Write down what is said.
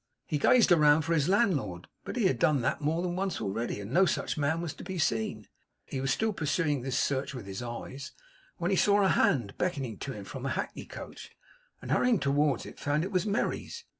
He gazed round for his landlord. But he had done that more than once already, and no such man was to be seen. He was still pursuing this search with his eyes, when he saw a hand beckoning to him from a hackney coach; and hurrying towards it, found it was Merry's.